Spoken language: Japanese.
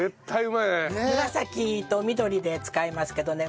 紫と緑で使いますけどね